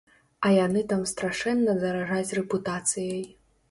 А яны там страшэнна даражаць рэпутацыяй.